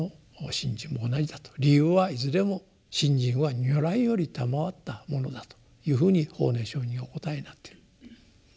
理由は「いずれも信心は如来よりたまわったものだ」というふうに法然上人お答えになっている。